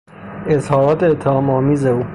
اظهارات اتهامآمیز او